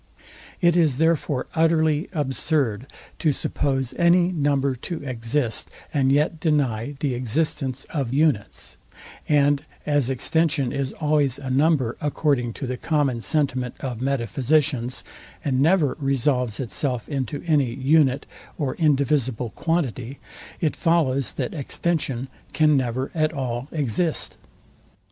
It is therefore utterly absurd to suppose any number to exist, and yet deny the existence of unites; and as extension is always a number, according to the common sentiment of metaphysicians, and never resolves itself into any unite or indivisible quantity, it follows, that extension can never at all exist.